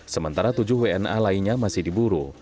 sementara tujuh wna lainnya masih diburu